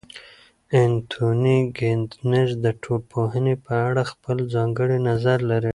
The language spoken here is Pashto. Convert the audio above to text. انتوني ګیدنز د ټولنپوهنې په اړه خپل ځانګړی نظر لري.